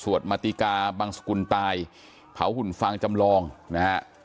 มาติกาบังสกุลตายเผาหุ่นฟางจำลองนะฮะ